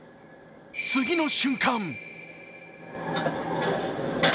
次の瞬間